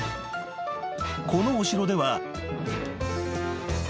［このお城では］